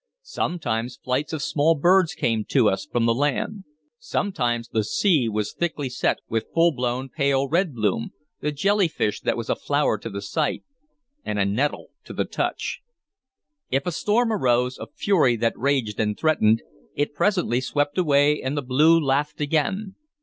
Sometimes flights of small birds came to us from the land. Sometimes the sea was thickly set with full blown pale red bloom, the jellyfish that was a flower to the sight and a nettle to the touch. If a storm arose, a fury that raged and threatened, it presently swept away, and the blue laughed again.